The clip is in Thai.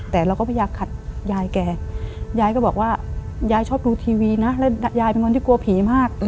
แต่เราก็พยายามขัดยายแกยายก็บอกว่ายายชอบดูทีวีนะแล้วยายเป็นคนที่กลัวผีมาก